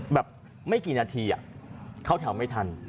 แบบไม่กี่นาทีเข้าแถวไม่ทัน